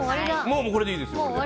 これでいいですよ